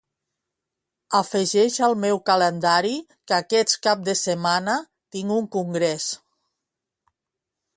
Afegeix al meu calendari que aquest cap de setmana tinc un congrés.